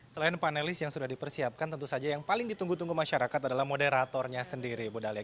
selain panelis yang sudah dipersiapkan tentu saja yang paling ditunggu tunggu masyarakat adalah moderatornya sendiri bu dalia